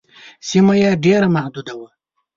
سیمه یې ډېره محدوده وه.